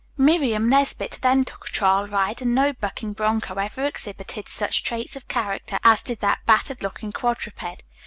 Miriam Nesbit then took a trial ride and no bucking bronco ever exhibited such traits of character as did that battered looking quadruped.